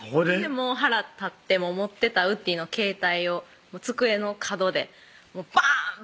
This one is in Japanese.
もう腹立って持ってたウッディの携帯を机の角でバン！